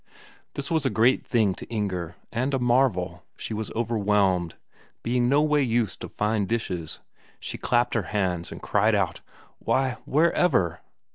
This was a great thing to Inger, and a marvel; she was overwhelmed, being no way used to fine dishes. She clapped her hands and cried out: "Why! Wherever...."